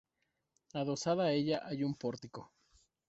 Adosada a ella hay un pórtico.